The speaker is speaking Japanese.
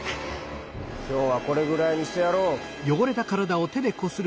きょうはこれぐらいにしてやろう。